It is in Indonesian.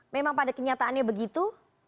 memang pada kenyataannya begitu